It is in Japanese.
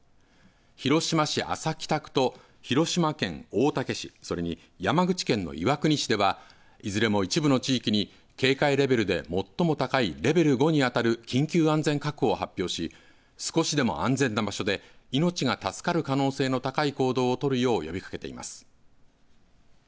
広島市安佐北区と広島県大竹市、それに山口県の岩国市ではいずれも一部の地域に警戒レベルで最も高いレベル５にあたる緊急安全確保を発表し少しでも安全な場所で命が助かる可能性の高い行動を取るよう呼びかけています。